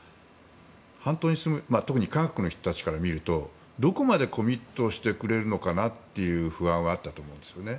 半島に住む特に韓国の人たちから見るとどこまでコミットしてくれるのかなという不安はあったと思います。